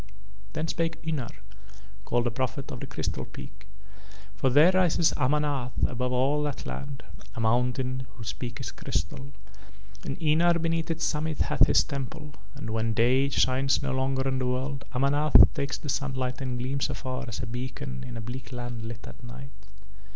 Then spake Ynar, called the prophet of the Crystal Peak; for there rises Amanath above all that land, a mountain whose peak is crystal, and Ynar beneath its summit hath his Temple, and when day shines no longer on the world Amanath takes the sunlight and gleams afar as a beacon in a bleak land lit at night.